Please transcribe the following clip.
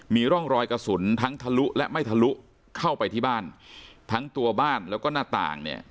มีร่องรอยกระสุนทั้งทะลุและไม่ทะลุเข้าไปที่บ้านทั้งตัวบ้านแล้วก็หน้าต่างเนี่ย